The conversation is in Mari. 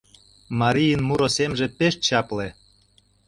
Марийын муро семже пеш чапле.